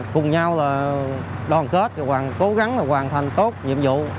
cùng nhau đoàn kết cố gắng hoàn thành tốt nhiệm vụ